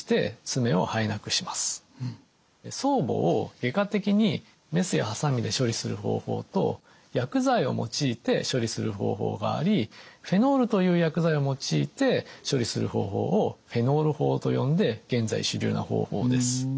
爪母を外科的にメスやはさみで処理する方法と薬剤を用いて処理する方法がありフェノールという薬剤を用いて処理する方法をフェノール法と呼んで現在主流な方法です。